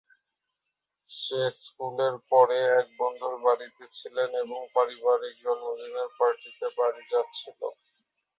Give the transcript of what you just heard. সে স্কুলের পরে এক বন্ধুর বাড়িতে ছিলেন এবং পারিবারিক জন্মদিনের পার্টিতে বাড়ি যাচ্ছিল।